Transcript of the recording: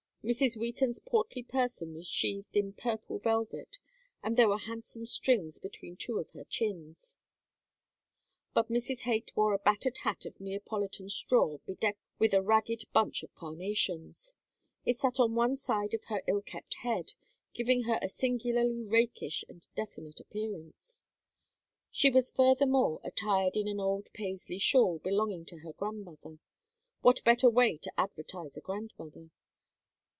Mrs. Wheaton's portly person was sheathed in purple velvet, and there were handsome strings between two of her chins, but Mrs. Haight wore a battered hat of Neapolitan straw bedecked with a ragged bunch of carnations. It sat on one side of her ill kept head, giving her a singularly rakish and definite appearance. She was furthermore attired in an old Paisley shawl belonging to her grandmother what better way to advertise a grandmother?